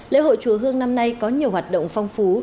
lễ hội chùa hương năm nay có nhiều hoạt động phong phú